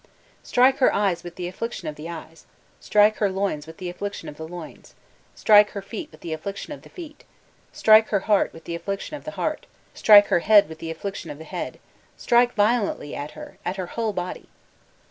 "Strike her eyes with the affliction of the eyes strike her loins with the affliction of the loins strike her feet with the affliction of the feet strike her heart with the affliction of the heart strike her head with the affliction of the head strike violently at her, at her whole body!"